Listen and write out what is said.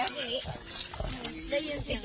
ลงหมดเลยครับ